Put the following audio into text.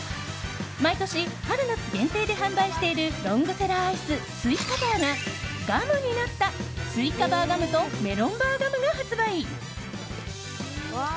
毎年春夏限定で販売しているロングセラーアイススイカバーがガムになったスイカバーガムとメロンバーガムが発売！